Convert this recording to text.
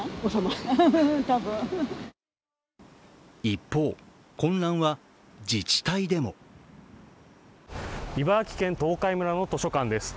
一方、混乱は自治体でも茨城県東海村の図書館です。